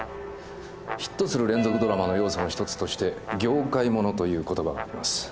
ヒットする連続ドラマの要素の一つとして「業界もの」という言葉があります。